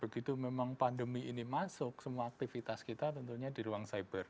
begitu memang pandemi ini masuk semua aktivitas kita tentunya di ruang cyber